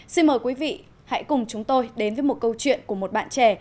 xin mời quý vị hãy cùng chúng tôi đến với một câu chuyện của một bạn trẻ